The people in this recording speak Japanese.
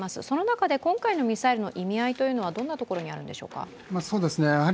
その中で今回のミサイルの意味合いはどんなところにあるんでしょうか？